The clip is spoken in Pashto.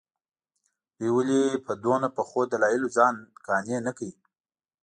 دوی ولې په دومره پخو دلایلو ځان قانع نه کړي.